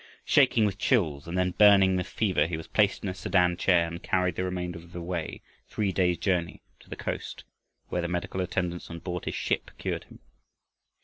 Shaking with chills and then burning with fever, he was placed in a sedan chair and carried the remainder of the way, three days' journey, to the coast, where the medical attendants on board his ship cured him.